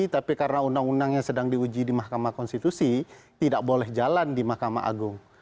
tapi karena undang undang yang sedang diuji di mahkamah konstitusi tidak boleh jalan di mahkamah agung